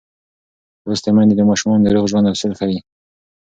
لوستې میندې د ماشومانو د روغ ژوند اصول ښيي.